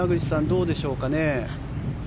どうでしょうかね。